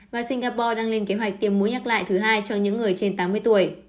và singapore đang lên kế hoạch tiêm muối nhắc lại thứ hai cho những người trên tám mươi tuổi